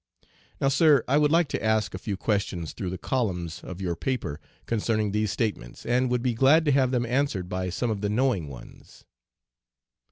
"' "Now, Sir, I would like to ask a few questions through the columns of your paper concerning these statements, and would be glad to have them answered by some of the knowing ones.